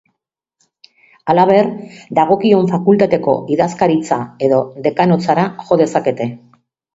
Halaber, dagokion fakultateko idazkaritza edo dekanotzara jo dezakete.